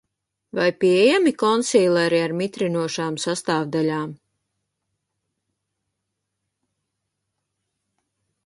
Vai pieejami konsīleri ar mitrinošām sastāvdaļām?